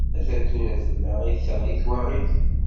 Atan tura fell-aɣ i d-teɣli twaɣit!